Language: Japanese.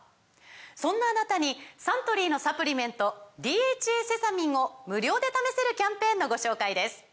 そんなあなたにサントリーのサプリメント「ＤＨＡセサミン」を無料で試せるキャンペーンのご紹介です